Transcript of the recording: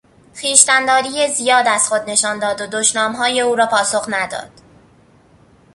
خویشتنداری زیاد از خود نشان داد و دشنامهای او را پاسخ نداد.